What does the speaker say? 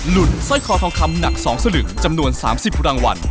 หลุดสร้อยคอทองคำหนัก๒สลึงจำนวน๓๐รางวัล